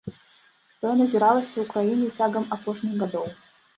Што і назіралася ў краіне цягам апошніх гадоў.